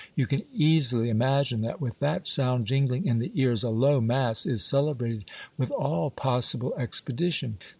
You can easily imagine that with that sound jingling in the ears, a low mass is celebrated with all possible expedition.